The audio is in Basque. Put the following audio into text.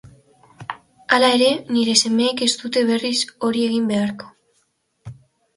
Hala ere, nire semeek ez dute berriz hori egin beharko.